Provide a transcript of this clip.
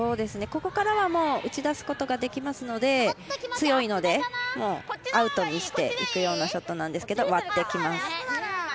ここからはもう打ち出すことができますので強いのでアウトにしていくようなショットなんですけど割ってきます。